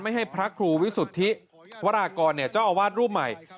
ให้พระครูวิสุทธิวรากรเจ้าอาวาสรูปใหม่